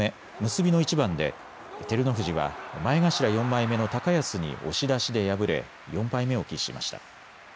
結びの一番で照ノ富士は前頭４枚目の高安に押し出しで敗れ４敗目を喫しました。